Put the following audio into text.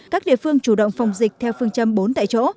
các địa phương chủ động phòng dịch theo phương châm bốn tại chỗ